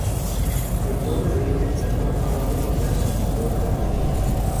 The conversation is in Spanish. El nombre de este plato ha dado lugar a numerosas teorías.